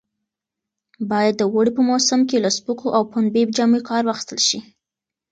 باید د اوړي په موسم کې له سپکو او پنبې جامو کار واخیستل شي.